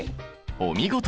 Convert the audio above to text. お見事！